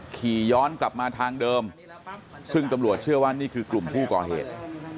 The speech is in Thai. ขี่ย้อนกลับมาทางเดิมซึ่งตำรวจเชื่อว่านี่คือกลุ่มผู้ก่อเหตุ